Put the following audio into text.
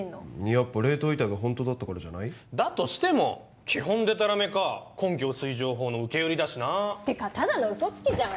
やっぱ冷凍遺体が本当だったからじゃない？だとしても基本デタラメか根拠薄い情報の受け売りだしなぁ。ってかただのウソつきじゃん。